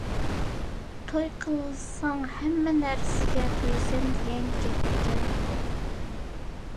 توي قىلساڭ ھەممە نەرسىگە تويىسەن دېگەن گەپكەن بۇ.